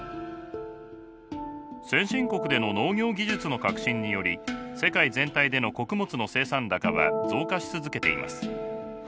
先進国での農業技術の革新により世界全体での穀物の生産高は増加し続けています。